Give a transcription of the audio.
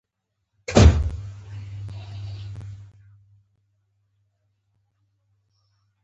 ما په مخکینی لیکنه کې لیکلي دي.